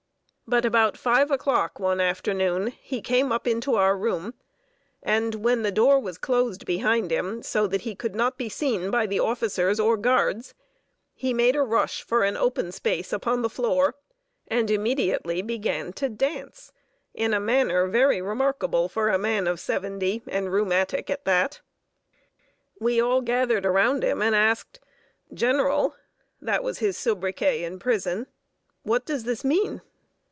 ] But about five o'clock, one afternoon, he came up into our room, and, when the door was closed behind him, so that he could not be seen by the officers or guards, he made a rush for an open space upon the floor, and immediately began to dance in a manner very remarkable for a man of seventy, and rheumatic at that. We all gathered around him and asked "General" (that was his soubriquet in the prison), "what does this mean?"